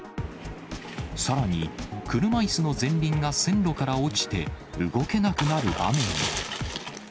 さらに、車いすの前輪が線路から落ちて動けなくなる場面も。